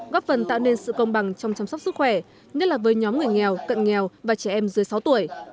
góp phần tạo nên sự công bằng trong chăm sóc sức khỏe nhất là với nhóm người nghèo cận nghèo và trẻ em dưới sáu tuổi